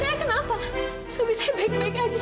bahkan malam ini dia sudah bisa pulang